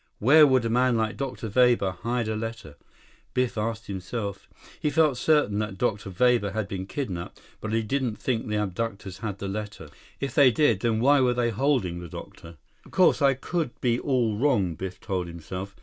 Where would a man like Dr. Weber hide a letter? Biff asked himself. He felt certain that Dr. Weber had been kidnaped, but he didn't think the abductors had the letter. If they did, then why were they holding the doctor? "Course, I could be all wrong," Biff told himself.